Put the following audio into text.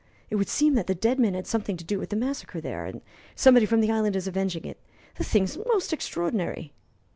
It would seem that the dead man had something to do with the massacre there, and somebody from the island is avenging it. The thing's most extraordinary."